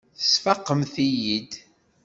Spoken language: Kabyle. Tesfaqemt-iyi-id.